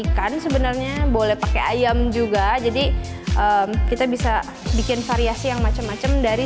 ikan sebenarnya boleh pakai ayam juga jadi kita bisa bikin variasi yang macam macam dari